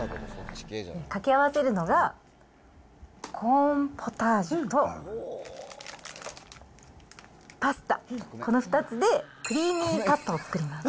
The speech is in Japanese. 掛け合わせるのは、コーンポタージュとパスタ、この２つでクリーミーパスタを作ります。